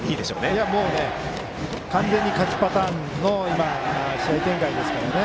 今、完全に勝ちパターンの試合展開ですからね。